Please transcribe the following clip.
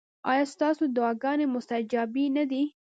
ایا ستاسو دعاګانې مستجابې نه دي؟